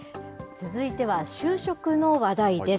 続いては就職の話題です。